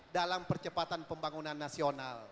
dalam percepatan pembangunan nasional